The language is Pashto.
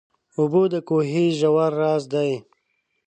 اوبه د کوهي ژور راز دي.